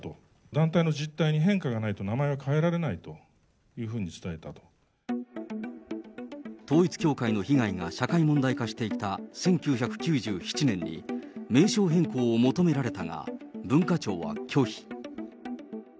団体の実態に変化がないと名前が変えられないというふう統一教会の被害が社会問題化していた１９９７年に、名称変更を求められたが、文化庁は拒否。